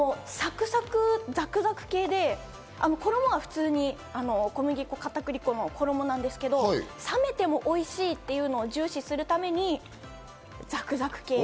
ザクザク系で衣は普通に小麦粉、片栗粉の衣なんですけど、冷めてもおいしいというのを重視するためにザクザク系。